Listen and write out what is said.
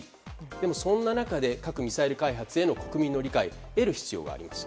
でも、そんな中で核・ミサイル開発への国民の理解を得る必要があります。